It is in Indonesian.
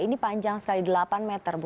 ini panjang sekali delapan meter bu